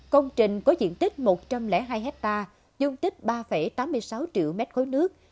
công trình có diện tích một trăm linh hai hectare dung tích ba tám mươi sáu triệu mét khối nước